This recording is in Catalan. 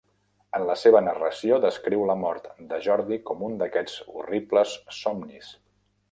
En la seva narració descriu la mort de Jordi com un d'aquests horribles somnis.